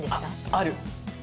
ある。